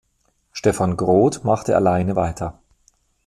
Stephan Groth machte alleine weiter.